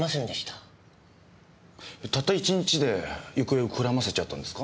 たった１日で行方をくらませちゃったんですか？